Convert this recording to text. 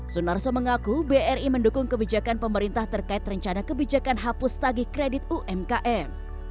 sunarso mengaku bri mendukung kebijakan pemerintah terkait rencana kebijakan hapus tagih kredit umkm